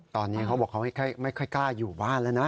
ตอนนี้เขาบอกเขาไม่ค่อยกล้าอยู่บ้านแล้วนะ